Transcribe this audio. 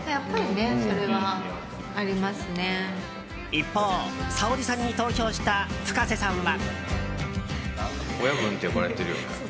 一方、Ｓａｏｒｉさんに投票したＦｕｋａｓｅさんは。